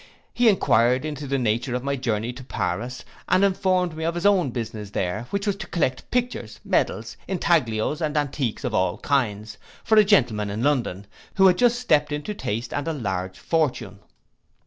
He enquired into the nature of my journey to Paris, and informed me of his own business there, which was to collect pictures, medals, intaglios, and antiques of all kinds, for a gentleman in London, who had just stept into taste and a large fortune.